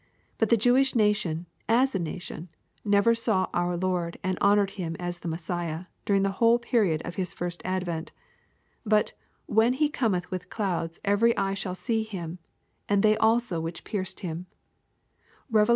But the Jewish nation, as a nation, never saw our Lord and honored him as the Messiah, dur irg the whole period of His first advent. But " when He cometb with clouds every eye shall see Him, and they also which pierced Him." (Rev. i. 7.) 146 EXPOSITORY THOUGHTS. LUKE XIV.